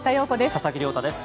佐々木亮太です。